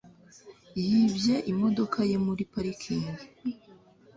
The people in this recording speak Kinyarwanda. Yibye imodoka ye muri parikingi